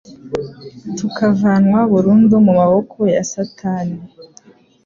tukavanwa burundu mu maboko ya Satani.